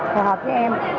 phù hợp với em